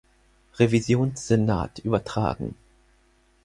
Revisionssenat übertragen.